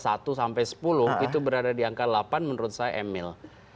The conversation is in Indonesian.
satu sampai sepuluh itu berada di angka delapan menurut saya emil